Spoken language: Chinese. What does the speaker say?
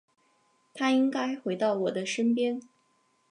他应该回到我的身边